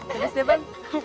terus deh bang